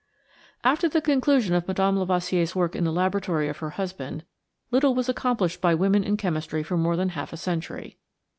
After the conclusion of Mme. Lavoisier's work in the laboratory of her husband, little was accomplished by women in chemistry for more than half a century.